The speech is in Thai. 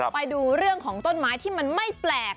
ไปดูเรื่องของต้นไม้ที่มันไม่แปลก